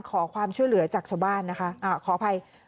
ขอความช่วยเหลือจากชาวบ้านนะคะขออภัย